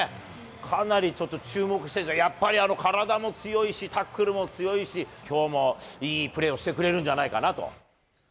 かなりちょっと注目、やっぱり体も強いし、タックルも強いし、きょうもいいプレーをしてくれるんじゃないかなと。